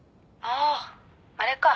あああれか。